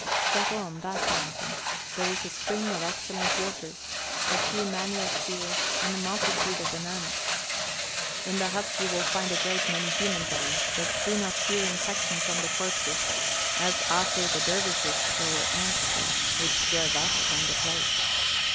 Settle on that mountain. There is a spring of excellent water, a few manioc fields, and a multitude of bananas. In the huts you will find a great many human bones, but do not fear infection from the corpses, as after the dervishes there were ants there, which drove us from the place.